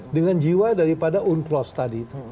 dengan jiwa daripada unclos tadi itu